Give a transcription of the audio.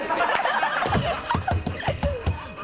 ハハハ